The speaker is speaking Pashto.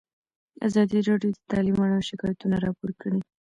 ازادي راډیو د تعلیم اړوند شکایتونه راپور کړي.